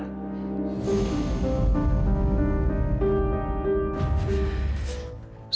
masalah pemberhentian kerja